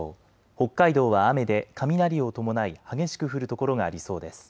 北海道は雨で雷を伴い激しく降る所がありそうです。